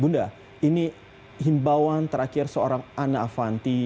bunda ini himbauan terakhir seorang ana avanti